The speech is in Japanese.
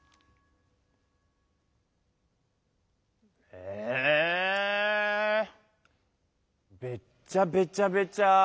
えべっちゃべちゃべちゃ。